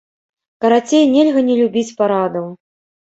Карацей, нельга не любіць парадаў.